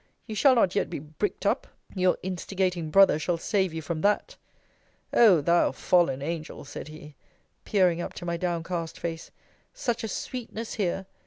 You shall not yet be bricked up. Your instigating brother shall save you from that! O thou fallen angel, said he, peering up to my downcast face such a sweetness here!